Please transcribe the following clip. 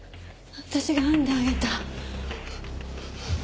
私が編んであげた。